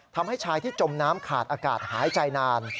ทำให้ชายที่จมน้ำขาดอากาศหายใจนาน